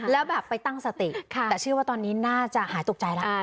แล้วแบบไปตั้งสติแต่เชื่อว่าตอนนี้น่าจะหายตกใจแล้ว